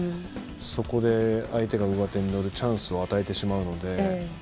そこで、相手にチャンスを与えてしまうので。